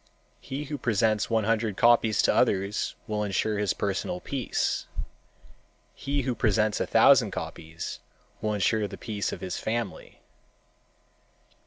He who presents one hundred copies to others will insure his personal peace. He who presents a thousand copies will insure the peace of his family.